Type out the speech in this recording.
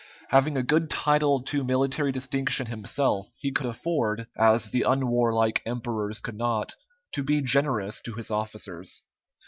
Having a good title to military distinction himself, he could afford, as the unwarlike emperors could not, to be generous to his officers.